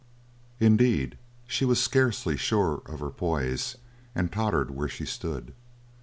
Indeed, she was scarcely sure of her poise, and tottered where she stood.